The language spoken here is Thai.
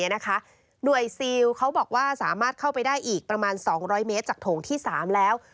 หน่วยซิลเขาบอกว่าสามารถเข้าไปได้อีกประมาณ๒๐๐เมตรจากโถงที่๓แล้ว